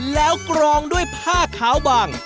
แล้วกรองด้วยผ้าขาวบาง